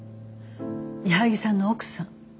矢作さんの奥さん。